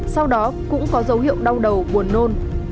sau đó cũng có dấu hiệu đau đầu buồn nôn